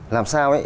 làm sao ấy